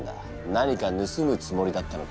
何か盗むつもりだったのか？